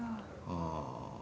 ああ。